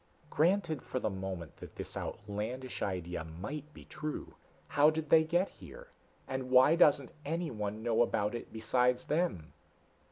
"Granted for the moment that this outlandish idea might be true, how did they get here? And why doesn't anyone know about it besides them?"